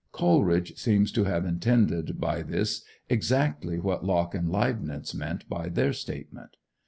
Coleridge seems to have intended by this exactly what Locke and Leibnitz meant by their statement.